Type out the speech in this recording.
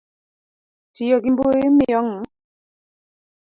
Tiyo gi mbui, miyo ng